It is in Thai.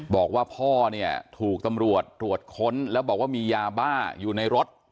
บอกว่าพ่อเนี่ยถูกตำรวจตรวจค้นแล้วบอกว่ามียาบ้าอยู่ในรถ